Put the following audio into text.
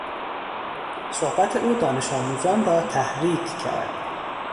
صحبت او دانش آموزان را تحریک کرد.